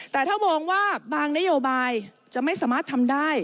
แต่ถ้ามองว่าบางนโยบายจะไม่สามารถทำได้